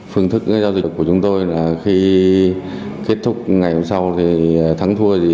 phương thức giao dịch của chúng tôi là khi kết thúc ngày hôm sau thắng thua gì